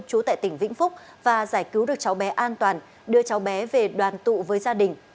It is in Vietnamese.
chú tại tỉnh vĩnh phúc và giải cứu được cháu bé an toàn đưa cháu bé về đoàn tụ với gia đình